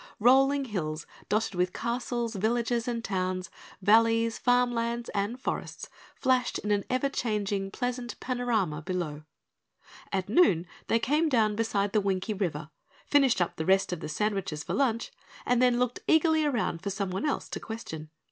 Rolling hills dotted with castles, villages and towns, valleys, farm lands and forests flashed in an ever changing pleasant panorama below. At noon they came down beside the Winkie River, finished up the rest of the sandwiches for lunch, and then looked eagerly around for someone else to question.